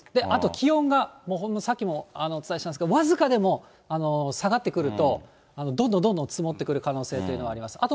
あと気温が、さっきもお伝えしましたけど、僅かでも下がってくると、どんどんどんどん積もってくる可能性というのはあります。